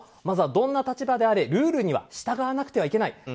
まずは、どんな立場であれルールには従わなければいけない。